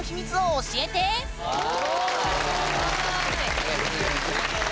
ありがとうございます。